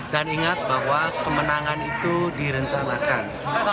dan ingat bahwa kemenangan itu direncanakan